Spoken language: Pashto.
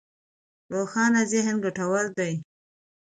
روښانه ذهن ګټور دی.